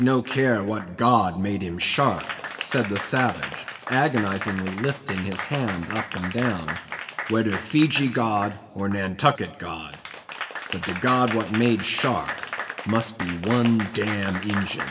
"Queequeg no care what god made him shark," said the savage, agonizingly lifting his hand up and down; "wedder Fejee god or Nantucket god; but de god wat made shark must be one dam Ingin."